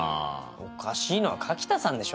おかしいのは柿田さんでしょ？